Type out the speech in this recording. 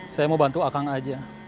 kamu bantu akang aja